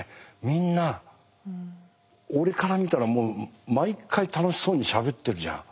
みんな俺から見たら毎回楽しそうにしゃべってるじゃん。